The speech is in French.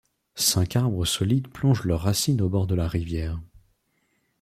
Cinq arbres solides plongent leurs racines au bord de la rivière.